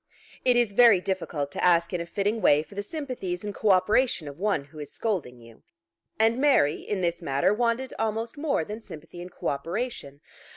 It is very difficult to ask in a fitting way for the sympathies and co operation of one who is scolding you. And Mary in this matter wanted almost more than sympathy and co operation.